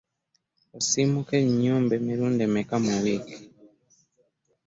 Osiimuka ennyumba emirundi emeka mu wiiki?